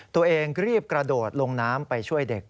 รีบกระโดดลงน้ำไปช่วยเด็ก